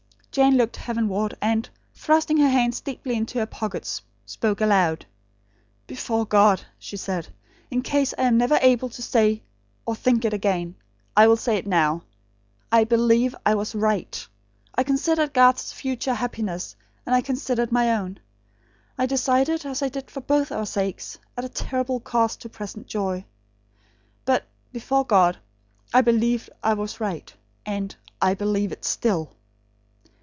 Jane looked heavenward and, thrusting her hands deeply into her pockets, spoke aloud. "Before God" she said, "in case I am never able to say or think it again, I will say it now I BELIEVE I WAS RIGHT. I considered Garth's future happiness, and I considered my own. I decided as I did for both our sakes, at terrible cost to present joy. But, before God, I believed I was right; and I BELIEVE IT STILL."